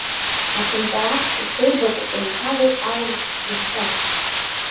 Ацынҵәарах ишеибакәу еиҭагоуп аурыс бызшәахь.